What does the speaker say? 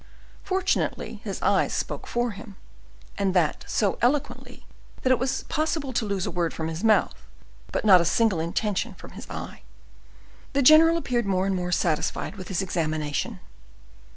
Fortunately his eyes spoke for him, and that so eloquently, that it was possible to lose a word from his mouth, but not a single intention from his eyes. The general appeared more and more satisfied with his examination.